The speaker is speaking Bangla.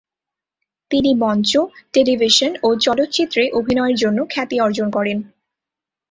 তিনি মঞ্চ, টেলিভিশন ও চলচ্চিত্রে অভিনয়ের জন্য খ্যাতি অর্জন করেন।